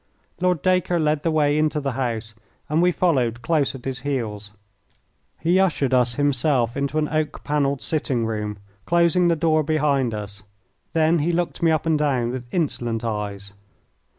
Lord Dacre led the way into the house, and we followed close at his heels. He ushered us himself into an oak panelled sitting room, closing the door behind us. Then he looked me up and down with insolent eyes.